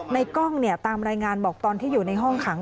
ในกล้องนี้ตามรายงานบอกตอนอยู่ในห้องขัง